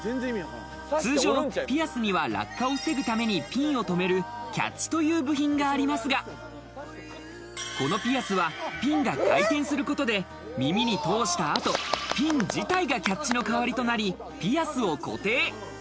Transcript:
通常、ピアスには落下を防ぐためにピンを止めるキャッチという部品がありますが、このピアスはピンが回転することで耳に通した後、ピン自体がキャッチの代わりとなり、ピアスを固定。